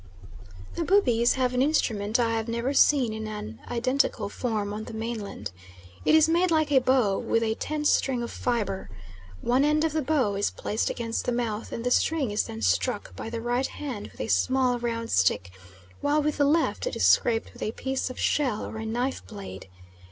The Bubis have an instrument I have never seen in an identical form on the mainland. It is made like a bow, with a tense string of fibre. One end of the bow is placed against the mouth, and the string is then struck by the right hand with a small round stick, while with the left it is scraped with a piece of shell or a knife blade.